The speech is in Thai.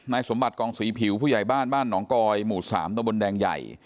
นายสมบัติกองสวีผิวหลังขวางบ้านจะใช่ผู้ใหญ่มาก